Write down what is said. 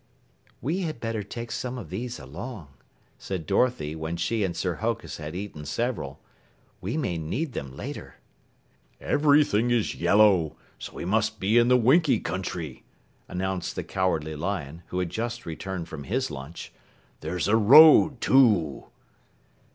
"We had better take some of these along," said Dorothy when she and Sir Hokus had eaten several. "We may need them later." "Everything is yellow, so we must be in the Winkie Country," announced the Cowardly Lion, who had just returned from his lunch. "There's a road, too."